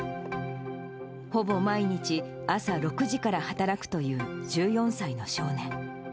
ほぼ毎日、朝６時から働くという１４歳の少年。